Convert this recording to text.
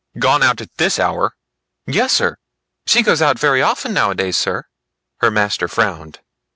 "Gone out at this hour?" "Yes sir; she goes out very often nowadays, sir." Her master frowned.